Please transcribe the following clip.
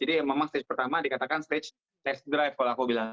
jadi memang stage pertama dikatakan stage test drive kalau aku bilang